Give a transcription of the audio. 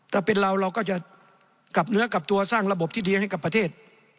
ถ้าเป็นเราเราก็จะกลับเนื้อกลับตัวสร้างระบบที่ดีให้กับประเทศ